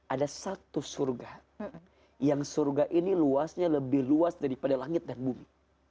ada satu surga yang surga ini luasnya lebih luas daripada langit dan bumi